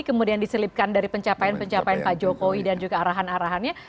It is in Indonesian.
kemudian diselipkan dari pencapaian pencapaian pak jokowi dan juga arahan arahannya